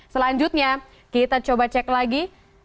selanjutnya kita coba cek lagi